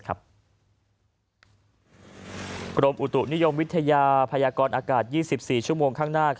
กรมอุตุนิยมวิทยาพยากรอากาศ๒๔ชั่วโมงข้างหน้า